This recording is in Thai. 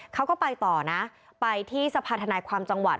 เขาก็ไปต่อนะไปที่สภาธนายความจังหวัด